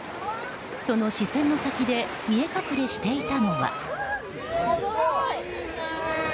その視線の先で見え隠れしていたのは。